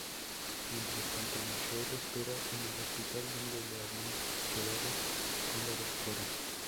Mientras tanto Michael espera en el hospital donde le habían quedado con la doctora.